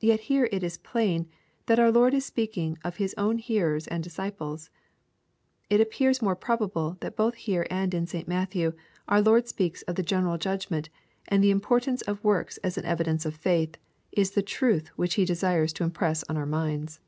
Yet here it is plain, that our Lord is speaking of His owa hearers and disciples.. It appears more probable that both here and in St. Matthew our Lord speaks of the general judgment, and that the importance of works as an evidence of fciith, is the truth which He desires to impress on our minds.